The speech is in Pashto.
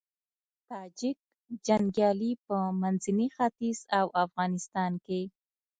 تاجیک جنګيالي په منځني ختيځ او افغانستان کې